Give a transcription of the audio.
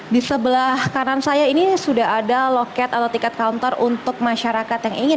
di sebelah kanan saya ini sudah ada loket atau tiket counter untuk masyarakat yang ingin